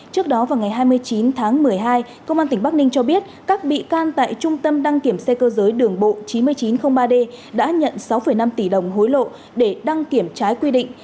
trước đó vào ngày hai mươi chín tháng một mươi hai công an tỉnh bắc ninh cho biết các bị can tại trung tâm đăng kiểm xe cơ giới đường bộ chín nghìn chín trăm linh ba d đã nhận sáu năm tỷ đồng hối lộ để đăng kiểm trái quy định